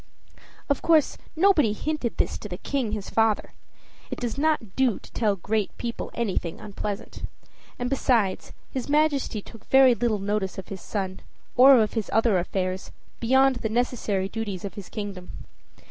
Of course, nobody hinted this to the King his father: it does not do to tell great people anything unpleasant. And besides, his Majesty took very little notice of his son, or of his other affairs, beyond the necessary duties of his kingdom.